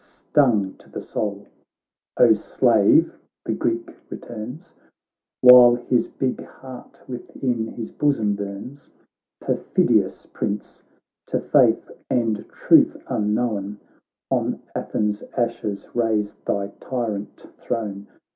Stung to the soul, ' O slave,' the Greek returns, While his big heart within his bosom burns, ' Perfidious Prince, to faith and truth unknown ; On Athens' ashes raise thy tyrant throne.